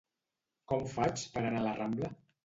Com faig per anar a la Rambla?